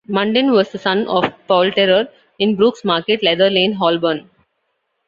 Munden was the son of a poulterer in Brook's Market, Leather Lane, Holborn.